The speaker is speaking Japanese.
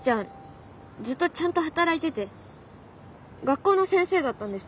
ずっとちゃんと働いてて学校の先生だったんです。